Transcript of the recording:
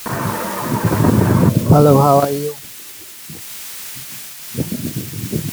Presumably it may only capture once per turn.